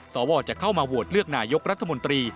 สวจะเข้ามาโหวตเลือกนายกรัฐมนตรี